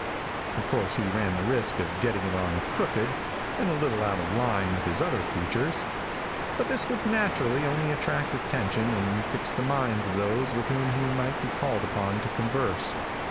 Of course he ran the risk of getting it on crooked and a little out of line with his other features, but this would naturally only attract attention and fix the minds of those with whom he might be called upon to converse.